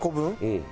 うん。